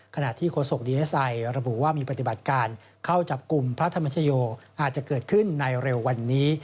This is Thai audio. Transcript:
ขณะที่โฆษกดีเอสไอระบุว่ามีปฏิบัติการเข้าจับกลุ่มพระธรรมชโยอาจจะเกิดขึ้นในเร็ววันนี้